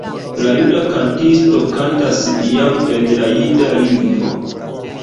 La juda kantisto kantas iam en la jida lingvo.